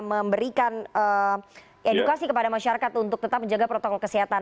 memberikan edukasi kepada masyarakat untuk tetap menjaga protokol kesehatan